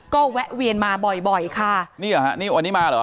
ก็แวะเวียนมาบ่อยบ่อยค่ะนี่เหรอฮะนี่วันนี้มาเหรอ